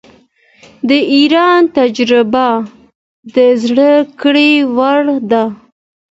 د ایران تجربه د زده کړې وړ ده.